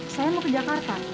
saya mau ke jakarta